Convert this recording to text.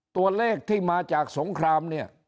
ตัวเลขที่มาจากสงครามเนี่ย